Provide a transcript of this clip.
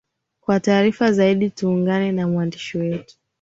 kwa taarifa zaidi tuungane na mwandishi wetu